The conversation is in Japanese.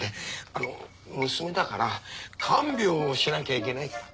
あの娘だから看病をしなきゃいけないから。